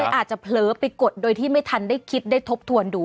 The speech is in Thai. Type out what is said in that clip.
อาจจะเผลอไปกดโดยที่ไม่ทันได้คิดได้ทบทวนดู